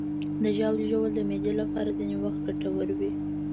د ژاولې ژوول د معدې لپاره ځینې وخت ګټور وي.